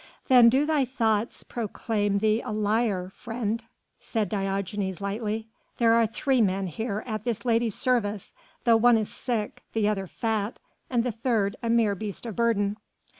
"Then do thy thoughts proclaim thee a liar, friend," said Diogenes lightly; "there are three men here at this lady's service, though one is sick, the other fat, and the third a mere beast of burden."